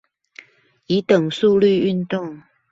以等速率運動